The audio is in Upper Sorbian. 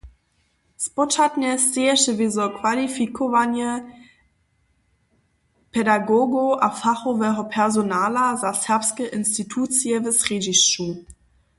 Spočatnje steješe wězo kwalifikowanje pedagogow a fachoweho personala za serbske institucje w srjedźišću.